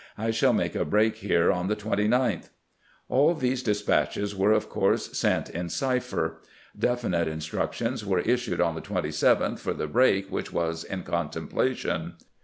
I shall make a break here on the 29th." All these despatches were of course sent in cipher. Definite instructions were issued on the 27th for the " break " which was in contemplation.